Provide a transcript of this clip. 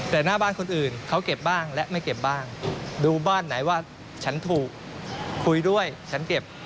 แต่หน้าบ้านคนอื่นเขาเก็บบ้างและไม่เก็บบ้างดูบ้านไหนว่าฉันถูกคุยด้วยฉันเก็บ